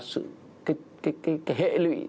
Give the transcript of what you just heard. sự hệ lụy